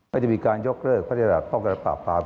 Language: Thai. มันจะมีการยกเลิกพัฒนาภาพป้องกันปรับภาพ